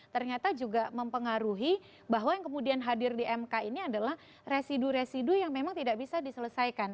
ternyata juga mempengaruhi bahwa yang kemudian hadir di mk ini adalah residu residu yang memang tidak bisa diselesaikan